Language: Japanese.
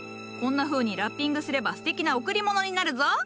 こんなふうにラッピングすればすてきな贈り物になるぞ。